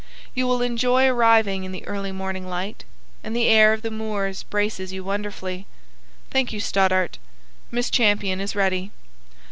You will enjoy arriving in the early morning light; and the air of the moors braces you wonderfully. Thank you, Stoddart. Miss Champion is ready.